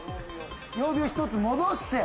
曜日を１つ戻して！